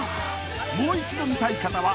［もう一度見たい方は］